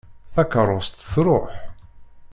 Takerrust truḥ.